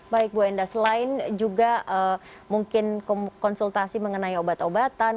baik bu enda selain juga mungkin konsultasi mengenai obat obatan